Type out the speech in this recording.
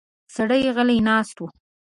سړی غلی ناست و.